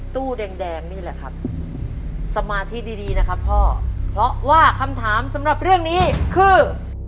ตู้แดงนี่แหละครับสมาธิดีดีนะครับพ่อเพราะว่าคำถามสำหรับเรื่องนี้คือ